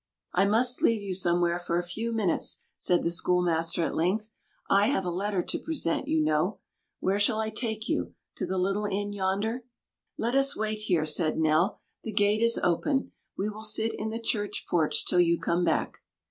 "I must leave you somewhere for a few minutes," said the schoolmaster at length. "I have a letter to present, you know. Where shall I take you? To the little inn yonder?" "Let us wait here," said Nell. "The gate is open. We will sit in the church porch till you come back."